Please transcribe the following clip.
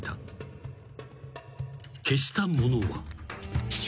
［消したものは］